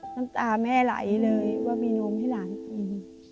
น้ำตาแม่ไหลเลยว่ามีนมให้หลานกิน